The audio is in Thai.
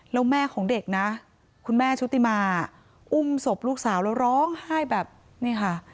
แล้วแม่ของเด็กนะคุณแม่ชุติมาอุ้มศพลูกสาวแล้วร้องไห้แบบนี้ค่ะ